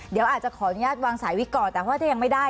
เดี๋ยวอาจจะขออนุญาตวางสายวิกก่อนแต่ว่าถ้ายังไม่ได้